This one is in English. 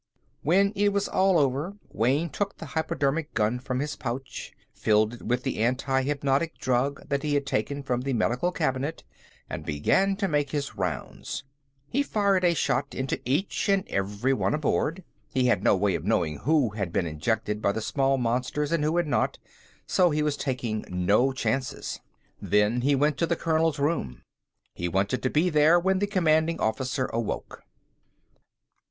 When it was all over, Wayne took the hypodermic gun from his pouch, filled it with the anti hypnotic drug that he had taken from the medical cabinet, and began to make his rounds. He fired a shot into each and every one aboard. He had no way of knowing who had been injected by the small monsters and who had not, so he was taking no chances. Then he went to the colonel's room. He wanted to be there when the Commanding Officer awoke.